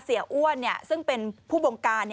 อ้วนซึ่งเป็นผู้บงการ